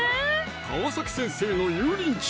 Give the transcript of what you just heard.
川先生の油淋鶏！